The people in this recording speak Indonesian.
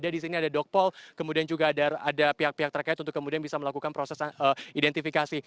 di sini ada dokpol kemudian juga ada pihak pihak terkait untuk kemudian bisa melakukan proses identifikasi